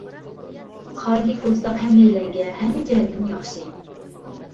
قائىدىلىك بولساق ھەممەيلەنگە، ھەممە جەھەتتىن ياخشى.